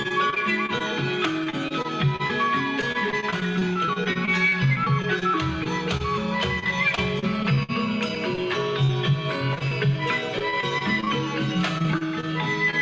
tari buang sangkal terhita dari para bahaya